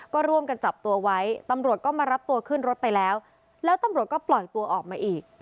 ก็ร่วมกันจับตัวไว้ตำรวจก็มารับตัวขึ้นรถไปแล้วแล้วตำรวจก็ปล่อยตัวออกมาอีก